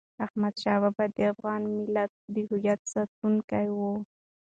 احمد شاه بابا د افغان ملت د هویت ساتونکی و.